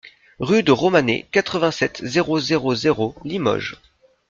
Rue de Romanet, quatre-vingt-sept, zéro zéro zéro Limoges